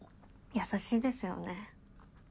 優しいですよね。